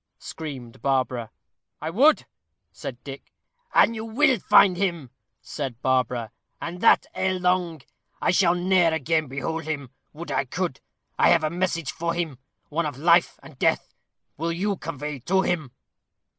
screamed Barbara. "I would," said Dick. "And you will find him," said Barbara; "and that ere long. I shall ne'er again behold him. Would I could. I have a message for him one of life and death. Will you convey it to him?"